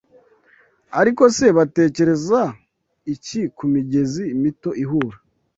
Ariko se batekereza iki ku migezi mito ihura